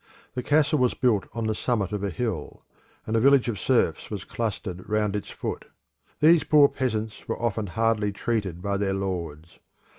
The castle was built on the summit of a hill, and a village of serfs was clustered round its foot. These poor peasants were often hardly treated by their lords.